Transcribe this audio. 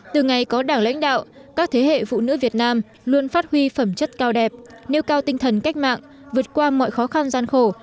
từ ngày có đảng lãnh đạo các thế hệ phụ nữ việt nam luôn phát huy phẩm chất cao đẹp nêu cao tinh thần cách mạng vượt qua mọi khó khăn gian khổ